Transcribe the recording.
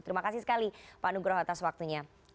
terima kasih sekali pak nugroho atas waktunya